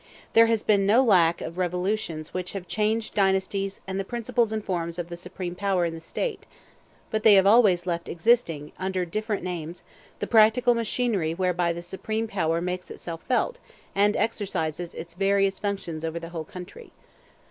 There has been no lack of revolutions which have changed dynasties and the principles and forms of the supreme power in the State; but they have always left existing, under different names, the practical machinery whereby the supreme power makes itself felt and exercises its various functions over the whole country.